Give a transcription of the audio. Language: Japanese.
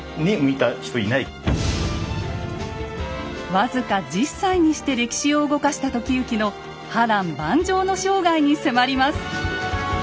僅か１０歳にして歴史を動かした時行の波乱万丈の生涯に迫ります。